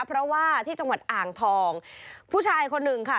เพราะว่าที่จังหวัดอ่างทองผู้ชายคนหนึ่งค่ะ